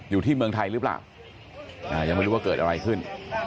อยู่ที่เมืองไทยหรือเปล่ายังไม่รู้ว่าเกิดอะไรขึ้น